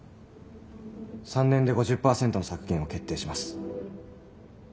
３年で５０％の削減を決定します。